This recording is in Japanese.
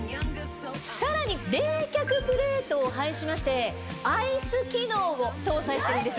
さらに冷却プレートを配しまして。を搭載してるんです。